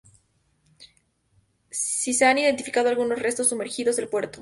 Sí se han identificado algunos restos sumergidos del puerto.